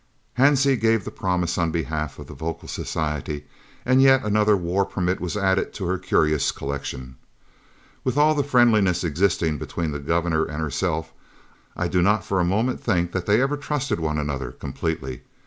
Hansie gave the promise on behalf of the vocal society, and yet another war permit was added to her curious collection! With all the friendliness existing between the Governor and herself, I do not for a moment think that they ever trusted one another completely.